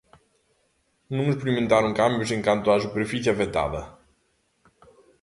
Non experimentaron cambios en canto á superficie afectada.